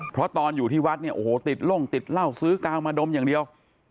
เพราะตอนอยู่ที่วัดเนี่ยโอ้โหติดล่งติดเหล้าซื้อกาวมาดมอย่างเดียว